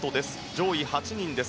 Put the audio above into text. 上位８人です。